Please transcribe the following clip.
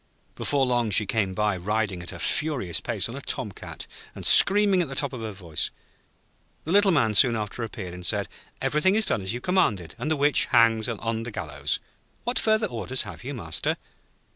Before long she came by riding at a furious pace on a tom cat, and screaming at the top of her voice. The Little Man soon after appeared, and said: 'Everything is done as you commanded, and the Witch hangs on the gallows. What further orders have you, Master?'